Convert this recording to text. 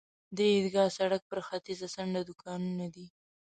د عیدګاه سړک پر ختیځه څنډه دوکانونه دي.